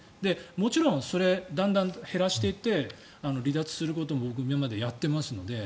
もちろんそれをだんだん減らしていって離脱することも僕、今までやっていますので。